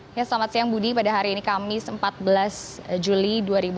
selamat siang budi pada hari ini kamis empat belas juli dua ribu enam belas